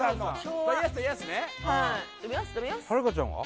はるかちゃんは？